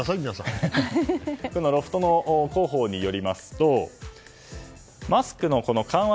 ロフトの広報によりますとマスクの緩和